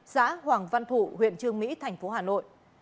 xã hoàng văn thụ huyện trương mỹ thành phố hà nội